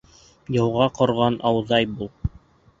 Яуға ҡорған ауҙай бул.